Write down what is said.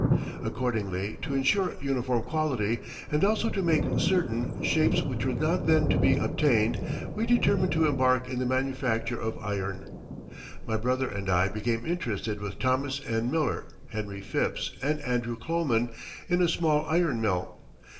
Accordingly, to insure uniform quality, and also to make certain shapes which were not then to be obtained, we determined to embark in the manufacture of iron. My brother and I became interested with Thomas N. Miller, Henry Phipps, and Andrew Kloman in a small iron mill.